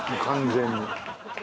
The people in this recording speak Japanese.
完全に。